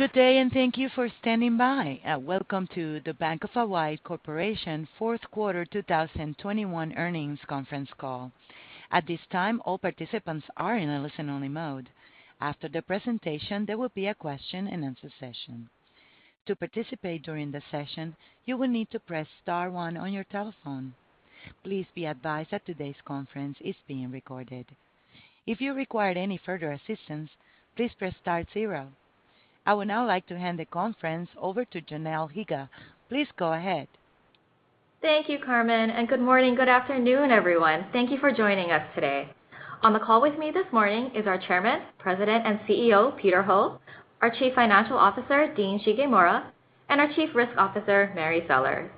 Welcome to the Bank of Hawaii Corporation fourth quarter 2021 earnings conference call. At this time, all participants are in a listen-only mode. After the presentation, there will be a question-and-answer session. To participate during the session, you will need to press star one on your telephone. Please be advised that today's conference is being recorded. If you require any further assistance, please press star zero. I would now like to hand the conference over to Janelle Higa. Please go ahead. Thank you, Carmen, and good morning, good afternoon, everyone. Thank you for joining us today. On the call with me this morning is our Chairman, President, and CEO, Peter Ho, our Chief Financial Officer, Dean Shigemura, and our Chief Risk Officer, Mary Sellers.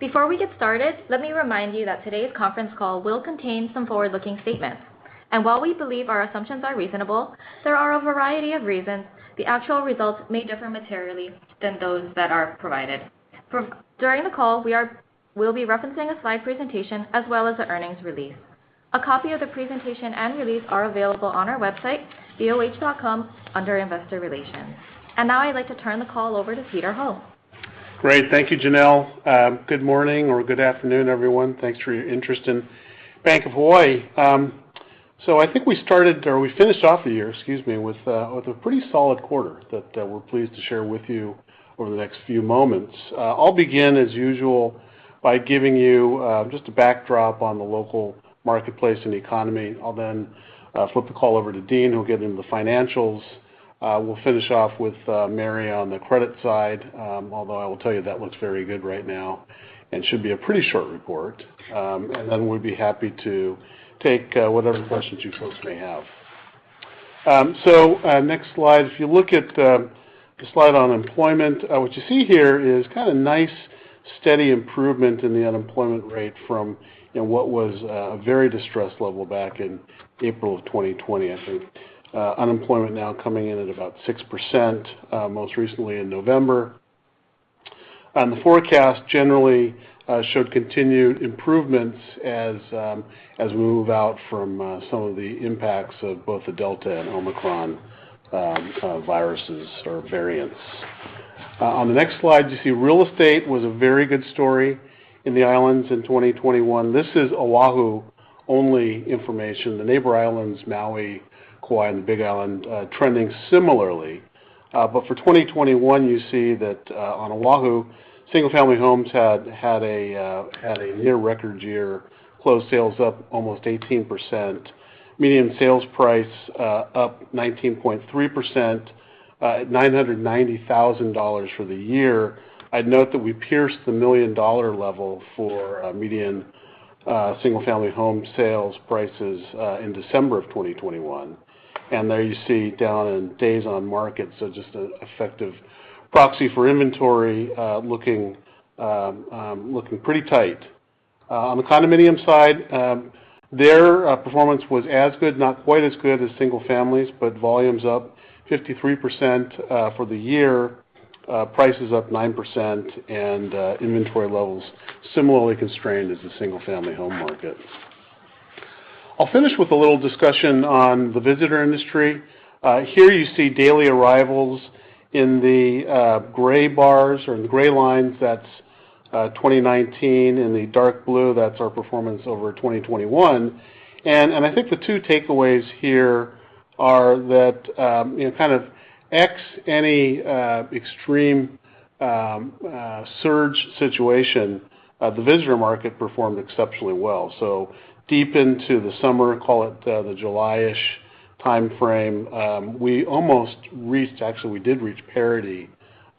Before we get started, let me remind you that today's conference call will contain some forward-looking statements. While we believe our assumptions are reasonable, there are a variety of reasons the actual results may differ materially than those that are provided. During the call, we'll be referencing a slide presentation as well as the earnings release. A copy of the presentation and release are available on our website, boh.com, under Investor Relations. Now I'd like to turn the call over to Peter Ho. Great. Thank you, Janelle. Good morning or good afternoon, everyone. Thanks for your interest in Bank of Hawaii. I think we finished off the year with a pretty solid quarter that we're pleased to share with you over the next few moments. I'll begin as usual by giving you just a backdrop on the local marketplace and economy. I'll then flip the call over to Dean, who'll get into the financials. We'll finish off with Mary on the credit side. Although I will tell you that looks very good right now, and should be a pretty short report. We'd be happy to take whatever questions you folks may have. Next slide, if you look at the slide on employment, what you see here is kind of nice, steady improvement in the unemployment rate from, you know, what was a very distressed level back in April of 2020, I think. Unemployment now coming in at about 6%, most recently in November. The forecast generally showed continued improvements as we move out from some of the impacts of both the Delta and Omicron viruses or variants. On the next slide, you see real estate was a very good story in the islands in 2021. This is Oahu-only information. The neighbor islands, Maui, Kauai, and the Big Island, trending similarly. For 2021, you see that on Oahu, single-family homes had a near record year. Closed sales up almost 18%. Median sales price up 19.3% at $990,000 for the year. I'd note that we pierced the million-dollar level for median single-family home sales prices in December of 2021. There you see down in days on market. Just an effective proxy for inventory looking pretty tight. On the condominium side, their performance was as good, not quite as good as single families, but volumes up 53% for the year. Prices up 9% and inventory levels similarly constrained as the single-family home market. I'll finish with a little discussion on the visitor industry. Here you see daily arrivals in the gray bars or in the gray lines, that's 2019. In the dark blue, that's our performance over 2021. I think the two takeaways here are that, you know, barring any extreme surge situation, the visitor market performed exceptionally well. Deep into the summer, call it the July-ish timeframe, we almost reached, actually, we did reach parity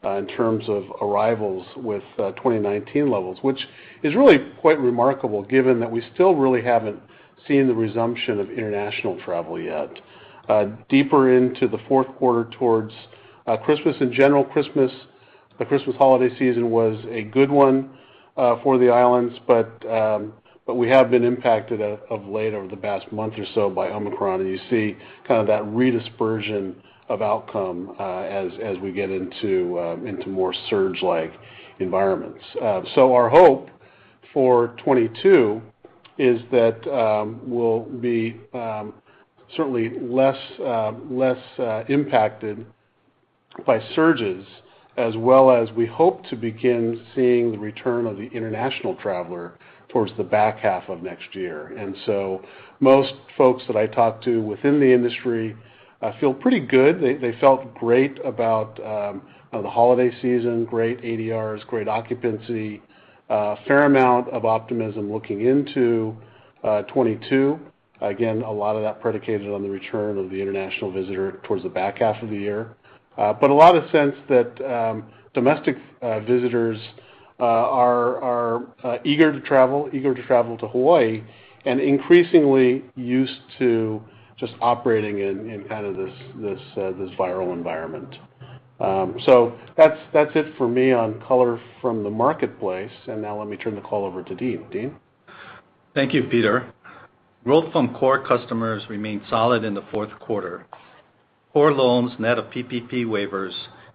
in terms of arrivals with 2019 levels, which is really quite remarkable given that we still really haven't seen the resumption of international travel yet. Deeper into the fourth quarter towards Christmas in general, the Christmas holiday season was a good one for the islands, but we have been impacted as of late over the past month or so by Omicron. You see kind of that dispersion of outcomes as we get into more surge-like environments. Our hope for 2022 is that we'll be certainly less impacted by surges, as well as we hope to begin seeing the return of the international traveler towards the back half of next year. Most folks that I talk to within the industry feel pretty good. They felt great about the holiday season, great ADRs, great occupancy, a fair amount of optimism looking into 2022. Again, a lot of that predicated on the return of the international visitor towards the back half of the year. A lot of sense that domestic visitors are eager to travel to Hawaii, and increasingly used to just operating in kind of this viral environment. That's it for me on color from the marketplace. Now let me turn the call over to Dean. Dean? Thank you, Peter. Growth from core customers remained solid in the fourth quarter. Core loans, net of PPP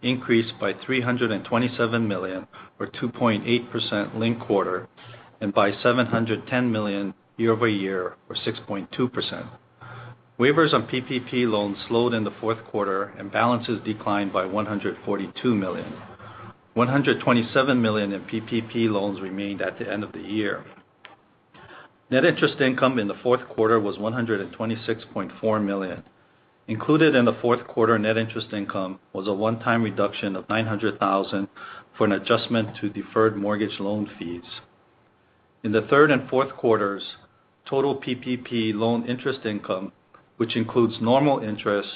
waivers, increased by $327 million, or 2.8% linked quarter, and by $710 million year-over-year, or 6.2%. Waivers on PPP loans slowed in the fourth quarter, and balances declined by $142 million. $127 million in PPP loans remained at the end of the year. Net interest income in the fourth quarter was $126.4 million. Included in the fourth quarter net interest income was a one-time reduction of $900,000 for an adjustment to deferred mortgage loan fees. In the third and fourth quarters, total PPP loan interest income, which includes normal interest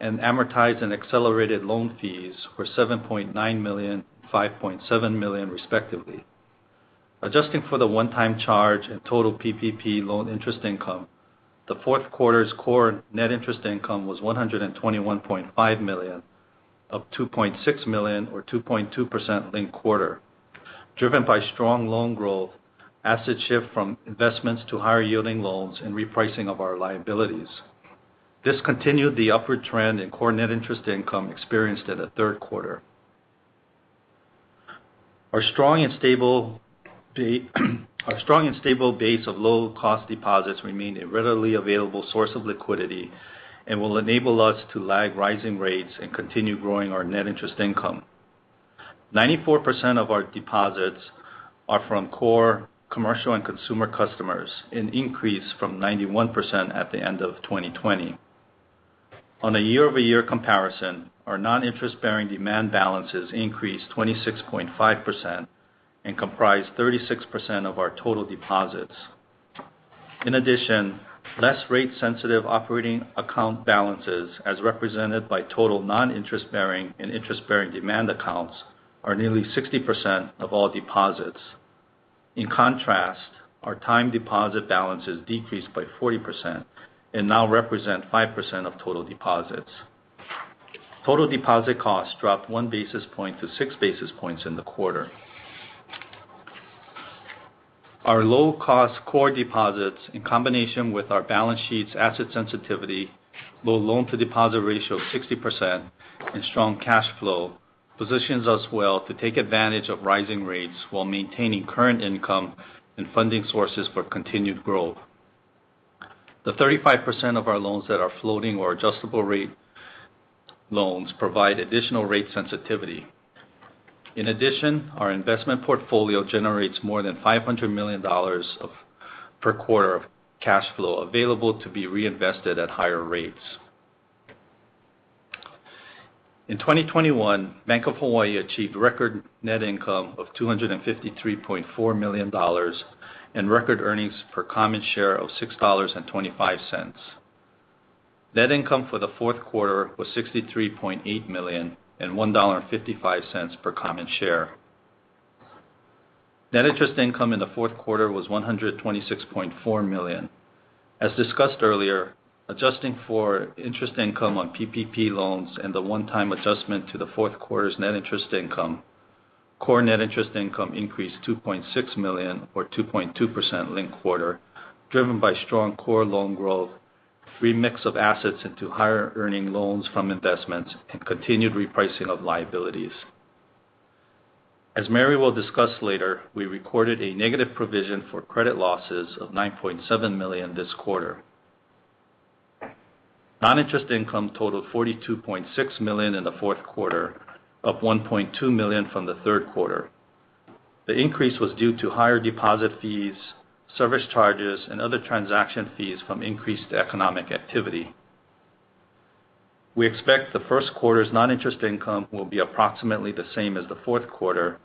and amortized and accelerated loan fees, were $7.9 million, $5.7 million respectively. Adjusting for the one-time charge and total PPP loan interest income, the fourth quarter's core net interest income was $121.5 million, up $2.6 million or 2.2% linked quarter, driven by strong loan growth, asset shift from investments to higher-yielding loans, and repricing of our liabilities. This continued the upward trend in core net interest income experienced in the third quarter. Our strong and stable base of low-cost deposits remained a readily available source of liquidity and will enable us to lag rising rates and continue growing our net interest income. 94% of our deposits are from core commercial and consumer customers, an increase from 91% at the end of 2020. On a year-over-year comparison, our noninterest-bearing demand balances increased 26.5% and comprise 36% of our total deposits. In addition, less rate-sensitive operating account balances, as represented by total noninterest-bearing and interest-bearing demand accounts, are nearly 60% of all deposits. In contrast, our time deposit balances decreased by 40% and now represent 5% of total deposits. Total deposit costs dropped one basis point to six basis points in the quarter. Our low-cost core deposits, in combination with our balance sheet's asset sensitivity, low loan-to-deposit ratio of 60%, and strong cash flow, positions us well to take advantage of rising rates while maintaining current income and funding sources for continued growth. The 35% of our loans that are floating or adjustable rate loans provide additional rate sensitivity. In addition, our investment portfolio generates more than $500 million per quarter of cash flow available to be reinvested at higher rates. In 2021, Bank of Hawaii achieved record net income of $253.4 million and record earnings per common share of $6.25. Net income for the fourth quarter was $63.8 million and $1.55 per common share. Net interest income in the fourth quarter was $126.4 million. As discussed earlier, adjusting for interest income on PPP loans and the one-time adjustment to the fourth quarter's net interest income, core net interest income increased $2.6 million or 2.2% linked quarter, driven by strong core loan growth, remix of assets into higher earning loans from investments, and continued repricing of liabilities. As Mary will discuss later, we recorded a negative provision for credit losses of $9.7 million this quarter. Noninterest income totaled $42.6 million in the fourth quarter, up $1.2 million from the third quarter. The increase was due to higher deposit fees, service charges, and other transaction fees from increased economic activity. We expect the first quarter's noninterest income will be approximately the same as the fourth quarter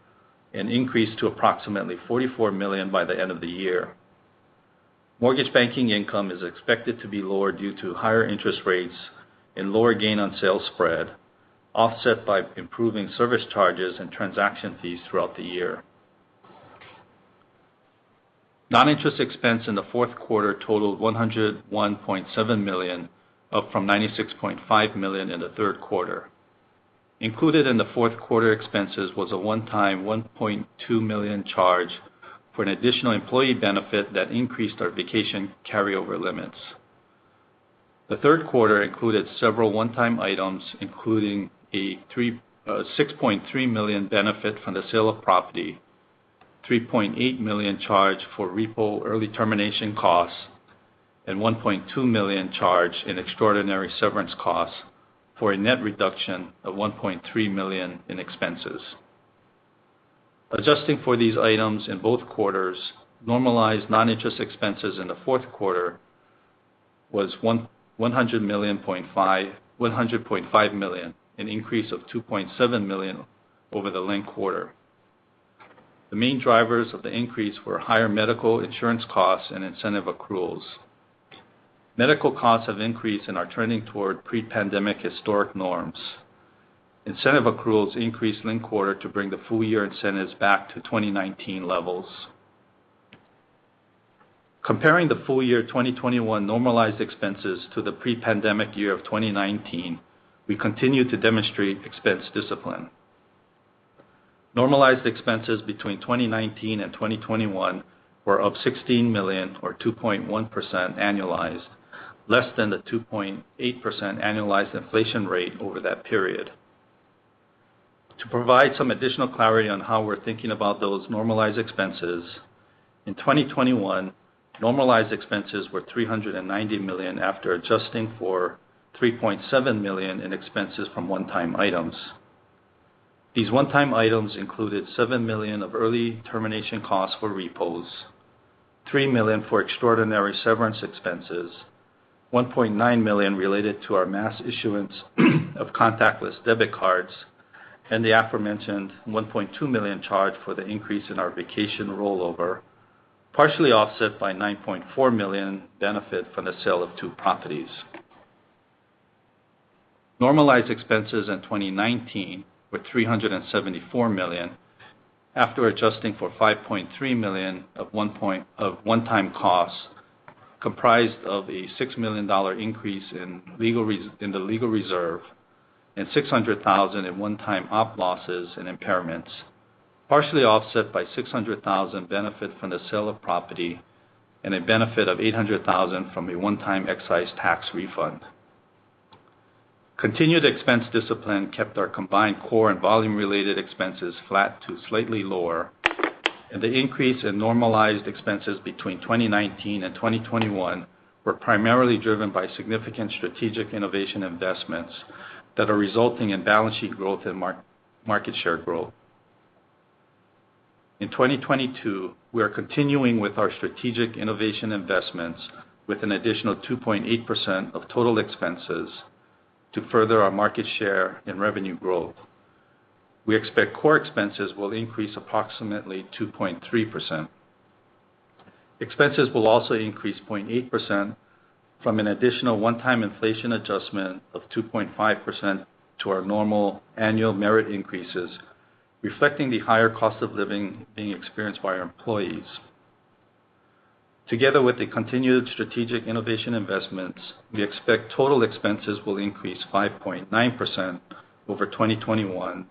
and increase to approximately $44 million by the end of the year. Mortgage banking income is expected to be lower due to higher interest rates and lower gain-on-sale spread, offset by improving service charges and transaction fees throughout the year. Noninterest expense in the fourth quarter totaled $101.7 million, up from $96.5 million in the third quarter. Included in the fourth quarter expenses was a one-time $1.2 million charge for an additional employee benefit that increased our vacation carryover limits. The third quarter included several one-time items, including a $6.3 million benefit from the sale of property, $3.8 million charge for repo early termination costs, and $1.2 million charge in extraordinary severance costs for a net reduction of $1.3 million in expenses. Adjusting for these items in both quarters, normalized noninterest expenses in the fourth quarter was $100.5 million, an increase of $2.7 million over the linked quarter. The main drivers of the increase were higher medical insurance costs and incentive accruals. Medical costs have increased and are trending toward pre-pandemic historic norms. Incentive accruals increased linked quarter to bring the full-year incentives back to 2019 levels. Comparing the full year 2021 normalized expenses to the pre-pandemic year of 2019, we continue to demonstrate expense discipline. Normalized expenses between 2019 and 2021 were up $16 million or 2.1% annualized, less than the 2.8% annualized inflation rate over that period. To provide some additional clarity on how we're thinking about those normalized expenses, in 2021, normalized expenses were $390 million after adjusting for $3.7 million in expenses from one-time items. These one-time items included $7 million of early termination costs for repos, $3 million for extraordinary severance expenses, $1.9 million related to our mass issuance of contactless debit cards, and the aforementioned $1.2 million charge for the increase in our vacation rollover, partially offset by $9.4 million benefit from the sale of two properties. Normalized expenses in 2019 were $374 million after adjusting for $5.3 million of one-time costs, comprised of a $6 million increase in the legal reserve and $600,000 in one-time operating losses and impairments, partially offset by $600,000 benefit from the sale of property and a benefit of $800,000 from a one-time excise tax refund. Continued expense discipline kept our combined core and volume-related expenses flat to slightly lower, and the increase in normalized expenses between 2019 and 2021 were primarily driven by significant strategic innovation investments that are resulting in balance sheet growth and market share growth. In 2022, we are continuing with our strategic innovation investments with an additional 2.8% of total expenses to further our market share and revenue growth. We expect core expenses will increase approximately 2.3%. Expenses will also increase 0.8% from an additional one-time inflation adjustment of 2.5% to our normal annual merit increases, reflecting the higher cost of living being experienced by our employees. Together with the continued strategic innovation investments, we expect total expenses will increase 5.9% over 2021's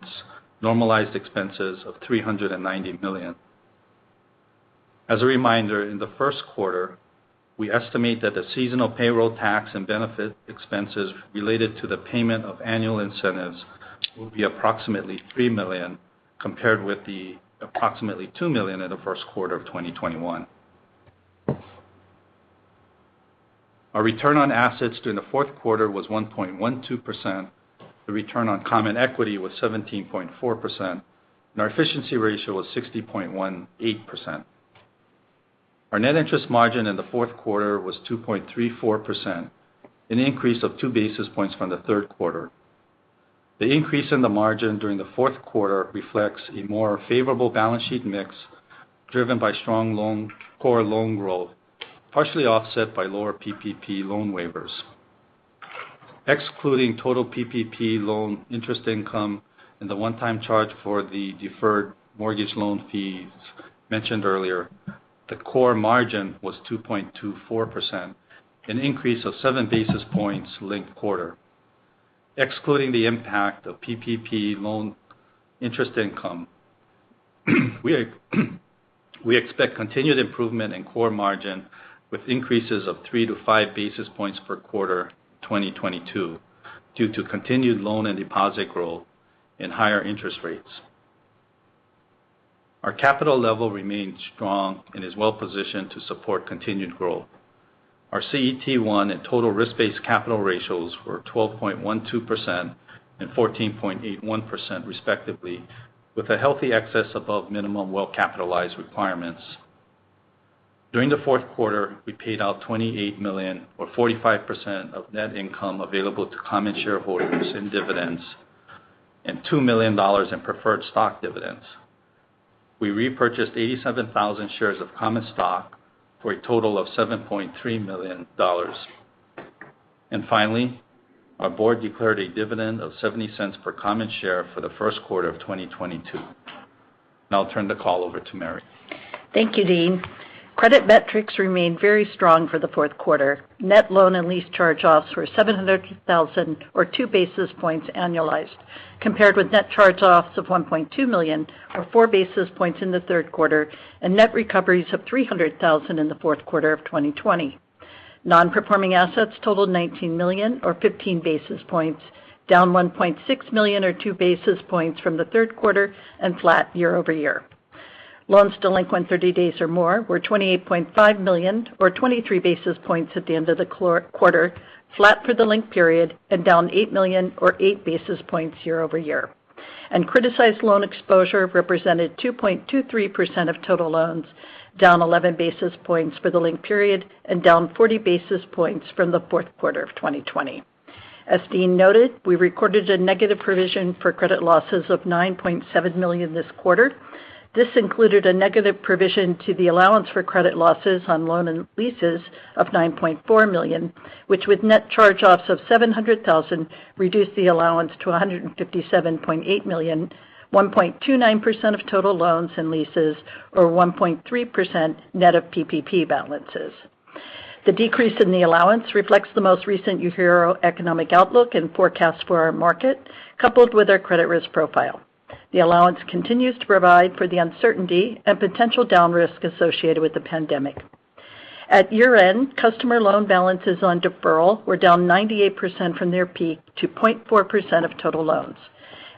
normalized expenses of $390 million. As a reminder, in the first quarter, we estimate that the seasonal payroll tax and benefit expenses related to the payment of annual incentives will be approximately $3 million, compared with the approximately $2 million in the first quarter of 2021. Our return on assets during the fourth quarter was 1.12%. The return on common equity was 17.4%, and our efficiency ratio was 60.18%. Our net interest margin in the fourth quarter was 2.34%, an increase of 2 basis points from the third quarter. The increase in the margin during the fourth quarter reflects a more favorable balance sheet mix driven by strong core loan growth, partially offset by lower PPP loan waivers. Excluding total PPP loan interest income and the one-time charge for the deferred mortgage loan fees mentioned earlier, the core margin was 2.24%, an increase of 7 basis points linked quarter. Excluding the impact of PPP loan interest income, we expect continued improvement in core margin with increases of 3-5 basis points per quarter in 2022 due to continued loan and deposit growth and higher interest rates. Our capital level remains strong and is well positioned to support continued growth. Our CET1 and total risk-based capital ratios were 12.12% and 14.81% respectively, with a healthy excess above minimum well-capitalized requirements. During the fourth quarter, we paid out $28 million or 45% of net income available to common shareholders in dividends and $2 million in preferred stock dividends. We repurchased 87,000 shares of common stock for a total of $7.3 million. Finally, our board declared a dividend of $0.70 per common share for the first quarter of 2022. Now I'll turn the call over to Mary. Thank you, Dean. Credit metrics remained very strong for the fourth quarter. Net loan and lease charge-offs were $700,000 or 2 basis points annualized, compared with net charge-offs of $1.2 million or four basis points in the third quarter and net recoveries of $300,000 in the fourth quarter of 2020. Nonperforming assets totaled $19 million or 15 basis points, down $1.6 million or two basis points from the third quarter and flat year-over-year. Loans delinquent 30 days or more were $28.5 million or 23 basis points at the end of the quarter, flat for the linked period and down $8 million or 8 basis points year-over-year. Criticized loan exposure represented 2.23% of total loans, down 11 basis points for the linked period and down 40 basis points from the fourth quarter of 2020. As Dean noted, we recorded a negative provision for credit losses of $9.7 million this quarter. This included a negative provision to the allowance for credit losses on loans and leases of $9.4 million, which with net charge-offs of $700,000, reduced the allowance to $157.8 million, 1.29% of total loans and leases or 1.3% net of PPP balances. The decrease in the allowance reflects the most recent HERO economic outlook and forecast for our market, coupled with our credit risk profile. The allowance continues to provide for the uncertainty and potential down risk associated with the pandemic. At year-end, customer loan balances on deferral were down 98% from their peak to 0.4% of total loans.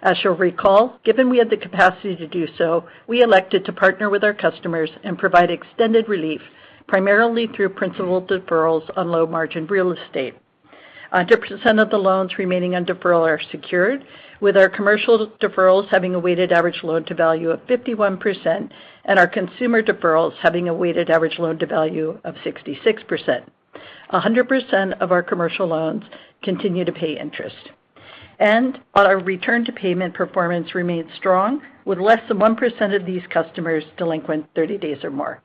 As you'll recall, given we had the capacity to do so, we elected to partner with our customers and provide extended relief, primarily through principal deferrals on low margin real estate. 100% of the loans remaining on deferral are secured, with our commercial deferrals having a weighted average loan to value of 51% and our consumer deferrals having a weighted average loan to value of 66%. 100% of our commercial loans continue to pay interest. Our return to payment performance remains strong, with less than 1% of these customers delinquent 30 days or more.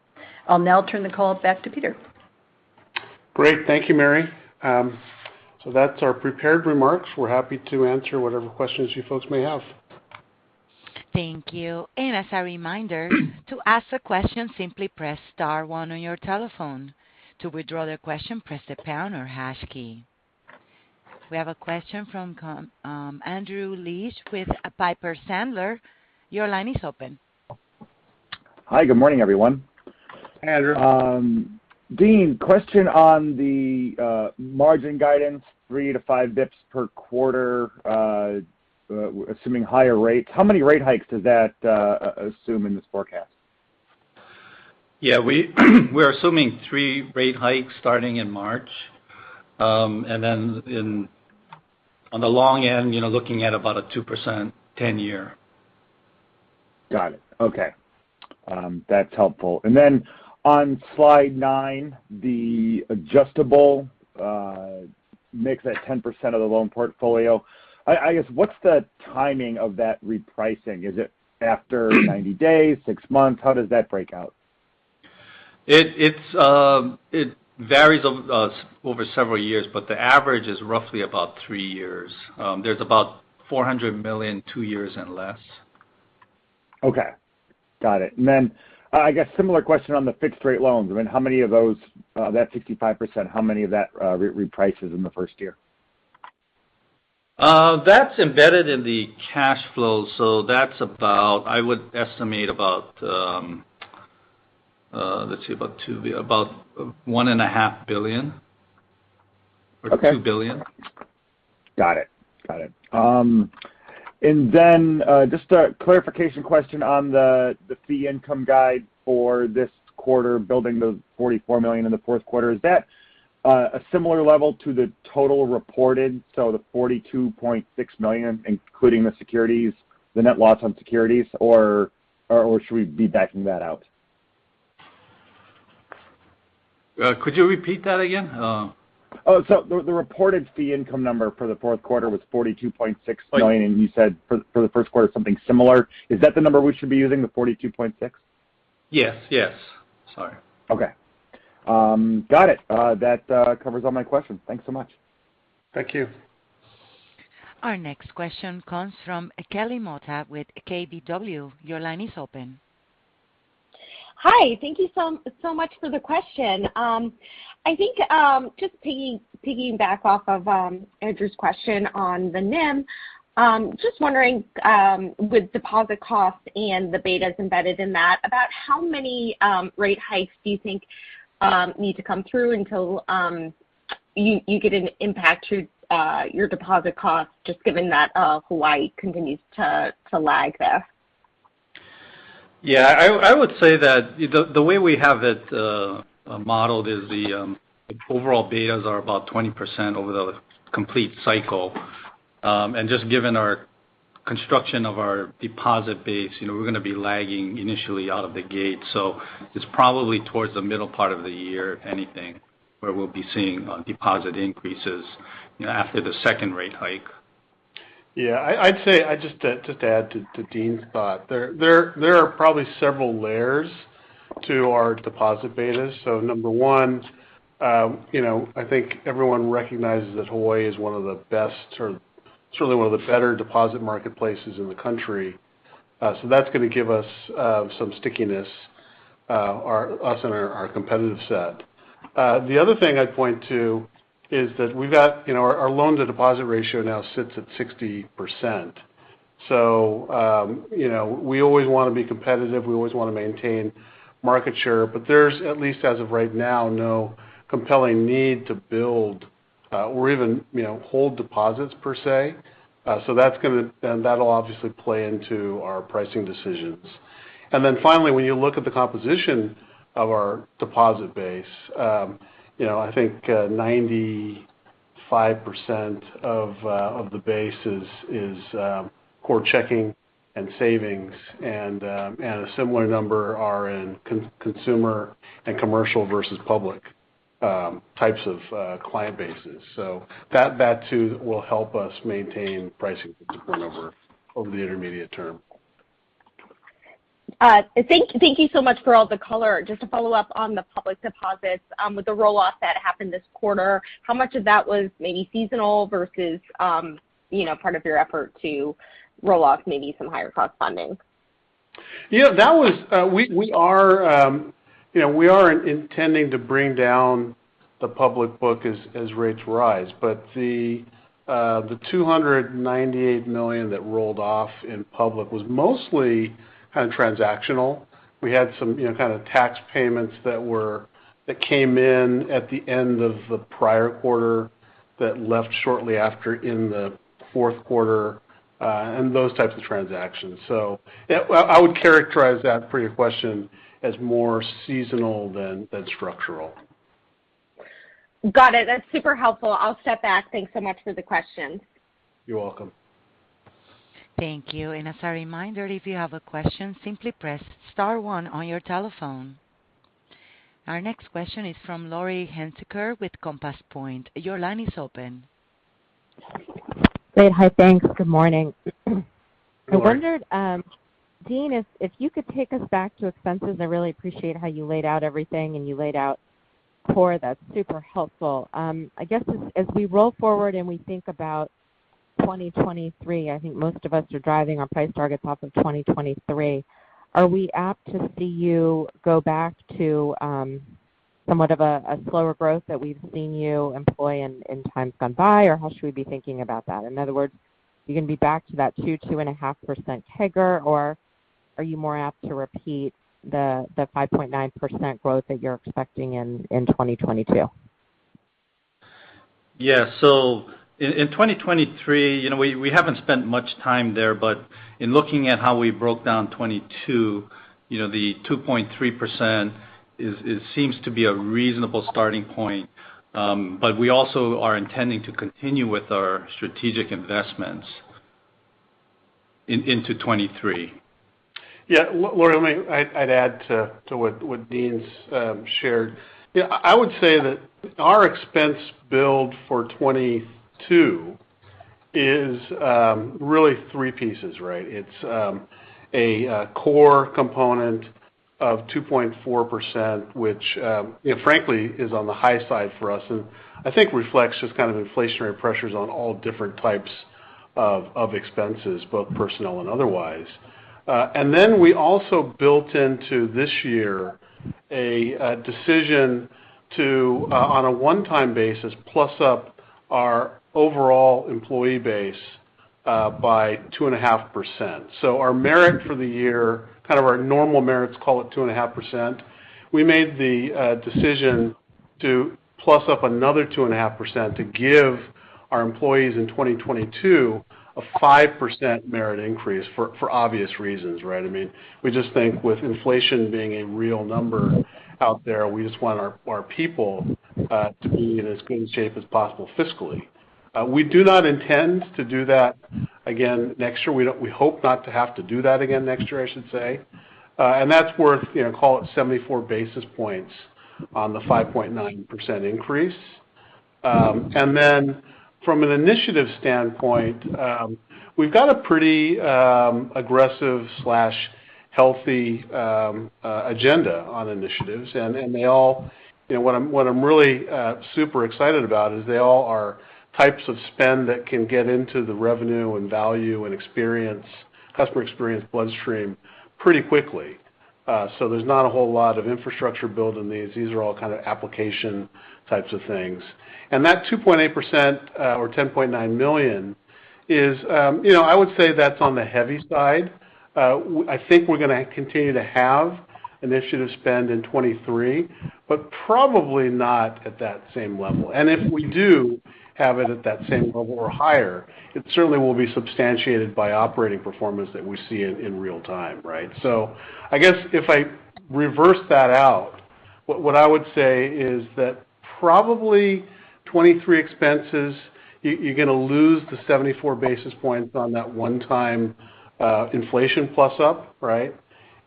I'll now turn the call back to Peter Ho. Great. Thank you, Mary. That's our prepared remarks. We're happy to answer whatever questions you folks may have. Thank you. As a reminder, to ask a question, simply press star one on your telephone. To withdraw the question, press the pound or hash key. We have a question from Andrew Liesch with Piper Sandler. Your line is open. Hi, good morning, everyone. Hi, Andrew. Dean, question on the margin guidance, 3-5 basis points per quarter, assuming higher rates. How many rate hikes does that assume in this forecast? Yeah, we're assuming three rate hikes starting in March. On the long end, you know, looking at about a 2% 10-year. Got it. Okay. That's helpful. On slide nine, the adjustable makes that 10% of the loan portfolio. I guess, what's the timing of that repricing? Is it after 90 days, six months? How does that break out? It varies over several years, but the average is roughly about three years. There's about $400 million, two years and less. Okay. Got it. I guess similar question on the fixed rate loans. I mean, how many of those of that 65%, how many of that reprices in the first year? That's embedded in the cash flow. I would estimate about, let's see, about $1.5 billion. Okay. $2 billion. Got it. Just a clarification question on the fee income guide for this quarter, building to the $44 million in the fourth quarter. Is that a similar level to the total reported, so the $42.6 million, including the net loss on securities? Or should we be backing that out? Could you repeat that again? The reported fee income number for the fourth quarter was $42.6 million. Right. You said for the first quarter something similar. Is that the number we should be using, the $42.6 million? Yes. Yes. Sorry. Okay. Got it. That covers all my questions. Thanks so much. Thank you. Our next question comes from Kelly Motta with KBW. Your line is open. Hi. Thank you so much for the question. I think just piggying back off of Andrew's question on the NIM, just wondering with deposit costs and the betas embedded in that, about how many rate hikes do you think need to come through until you get an impact to your deposit costs just given that Hawaii continues to lag there? Yeah. I would say that the way we have it modeled is the overall betas are about 20% over the complete cycle. Just given our construction of our deposit base, you know, we're gonna be lagging initially out of the gate. It's probably towards the middle part of the year, if anything, where we'll be seeing deposit increases after the second rate hike. Yeah. I'd say, just to add to Dean's thought. There are probably several layers to our deposit betas. Number one, you know, I think everyone recognizes that Hawaii is one of the best or certainly one of the better deposit marketplaces in the country. That's gonna give us some stickiness, us and our competitive set. The other thing I'd point to is that we've got, you know, our loans and deposit ratio now sits at 60%. You know, we always wanna be competitive. We always wanna maintain market share. There's, at least as of right now, no compelling need to build or even, you know, hold deposits per se. That's gonna, and that'll obviously play into our pricing decisions. Finally, when you look at the composition of our deposit base, you know, I think, 95% of the base is core checking and savings, and a similar number are in consumer and commercial versus public types of client bases. That too will help us maintain pricing for deposits over the intermediate term. Thank you so much for all the color. Just to follow up on the public deposits, with the roll-off that happened this quarter, how much of that was maybe seasonal versus, you know, part of your effort to roll off maybe some higher cost funding? Yeah, you know, we are intending to bring down the public book as rates rise. The $298 million that rolled off in public was mostly kind of transactional. We had some you know kind of tax payments that came in at the end of the prior quarter that left shortly after in the fourth quarter and those types of transactions. Yeah, well, I would characterize that for your question as more seasonal than structural. Got it. That's super helpful. I'll step back. Thanks so much for the question. You're welcome. Thank you. As a reminder, if you have a question, simply press star one on your telephone. Our next question is from Laurie Hunsicker with Compass Point. Your line is open. Great. Hi. Thanks. Good morning. Good morning. I wondered, Dean, if you could take us back to expenses. I really appreciate how you laid out everything and you laid out core. That's super helpful. I guess as we roll forward and we think about 2023, I think most of us are driving our price targets off of 2023. Are we apt to see you go back to somewhat of a slower growth that we've seen you employ in times gone by? Or how should we be thinking about that? In other words, are you gonna be back to that 2.5% CAGR, or are you more apt to repeat the 5.9% growth that you're expecting in 2022? Yeah. In 2023, you know, we haven't spent much time there. In looking at how we broke down 2022, you know, the 2.3% is, it seems, to be a reasonable starting point. We also are intending to continue with our strategic investments into 2023. Yeah. Laurie, I'd add to what Dean's shared. Yeah, I would say that our expense build for 2022 is really three pieces, right? It's a core component of 2.4%, which you know, frankly, is on the high side for us, and I think reflects just kind of inflationary pressures on all different types of expenses, both personnel and otherwise. Then we also built into this year a decision to, on a one-time basis, plus up our overall employee base by 2.5%. Our merit for the year, kind of our normal merits, call it 2.5%. We made the decision to plus up another 2.5% to give our employees in 2022 a 5% merit increase for obvious reasons, right? I mean, we just think with inflation being a real number out there, we just want our people to be in as good shape as possible fiscally. We do not intend to do that again next year. We hope not to have to do that again next year, I should say. That's worth, you know, call it 74 basis points on the 5.9% increase. From an initiative standpoint, we've got a pretty aggressive healthy agenda on initiatives. They all, you know, what I'm really super excited about is they all are types of spend that can get into the revenue and value and experience, customer experience bloodstream pretty quickly. So there's not a whole lot of infrastructure build in these. These are all kind of application types of things. That 2.8%, or $10.9 million is, you know, I would say that's on the heavy side. I think we're gonna continue to have initiative spend in 2023, but probably not at that same level. If we do have it at that same level or higher, it certainly will be substantiated by operating performance that we see in real time, right? I guess if I reverse that out, what I would say is that probably 2023 expenses, you're gonna lose the 74 basis points on that one-time inflation plus-up, right?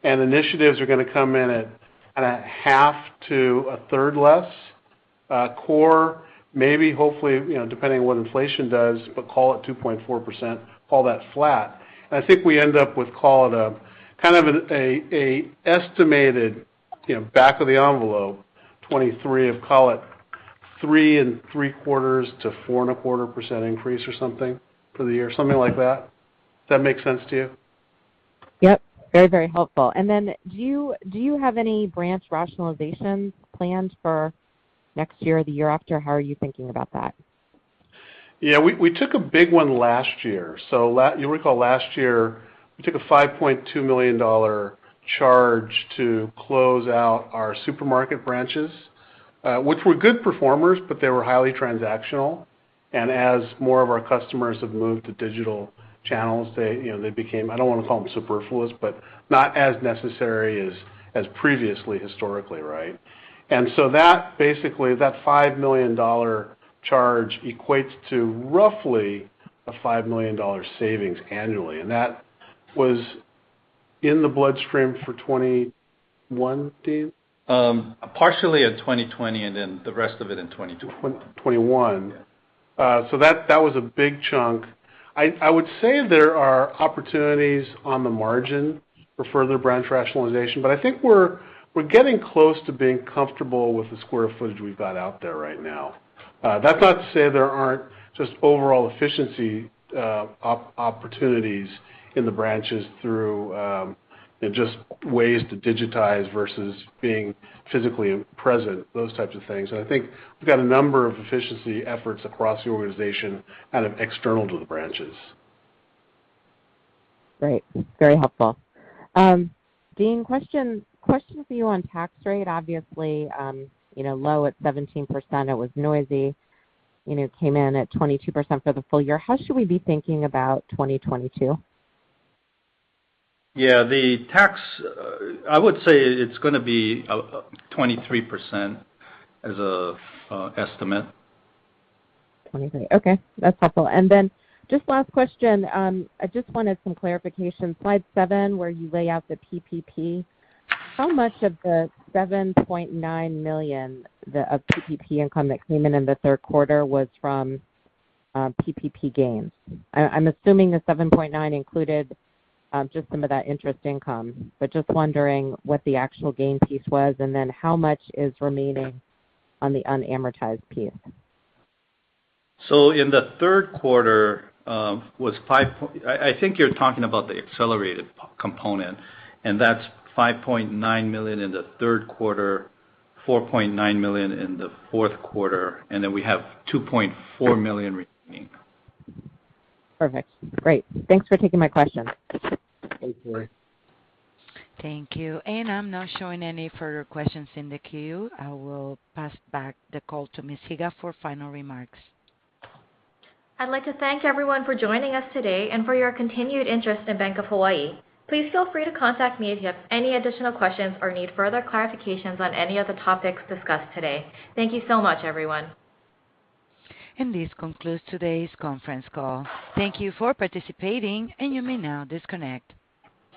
Initiatives are gonna come in at kinda half to a third less, core, maybe, hopefully, you know, depending on what inflation does, but call it 2.4%, call that flat. I think we end up with, call it a kind of an estimated, you know, back-of-the-envelope 2023 of, call it 3.75%-4.25% increase or something for the year, something like that. Does that make sense to you? Yep. Very, very helpful. Then do you have any branch rationalization plans for next year or the year after? How are you thinking about that? Yeah. We took a big one last year. You recall last year we took a $5.2 million charge to close out our supermarket branches, which were good performers, but they were highly transactional. As more of our customers have moved to digital channels, they became, I don't wanna call them superfluous, but not as necessary as previously historically, right? That basically, that $5 million charge equates to roughly a $5 million savings annually. That was in the baseline for 2021, Dean? Partially in 2020, and then the rest of it in 2021. 2021. Yeah. So that was a big chunk. I would say there are opportunities on the margin for further branch rationalization, but I think we're getting close to being comfortable with the square footage we've got out there right now. That's not to say there aren't just overall efficiency opportunities in the branches through, you know, just ways to digitize versus being physically present, those types of things. I think we've got a number of efficiency efforts across the organization kind of external to the branches. Great. Very helpful. Dean, question for you on tax rate. Obviously, you know, low at 17%, it was noisy, you know, came in at 22% for the full year. How should we be thinking about 2022? Yeah. The tax, I would say it's gonna be a 23% as an estimate. 23. Okay, that's helpful. Just last question. I just wanted some clarification. Slide seven, where you lay out the PPP, how much of the $7.9 million of PPP income that came in in the third quarter was from PPP gains? I'm assuming the $7.9 million included just some of that interest income, but just wondering what the actual gain piece was, and then how much is remaining on the unamortized piece. In the third quarter, I think you're talking about the accelerated component, and that's $5.9 million in the third quarter, $4.9 million in the fourth quarter, and then we have $2.4 million remaining. Perfect. Great. Thanks for taking my questions. Thank you. Thank you. I'm not showing any further questions in the queue. I will pass back the call to Ms. Higa for final remarks. I'd like to thank everyone for joining us today and for your continued interest in Bank of Hawaii. Please feel free to contact me if you have any additional questions or need further clarifications on any of the topics discussed today. Thank you so much, everyone. This concludes today's conference call. Thank you for participating, and you may now disconnect.